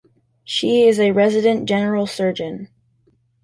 She is a resident general surgeon.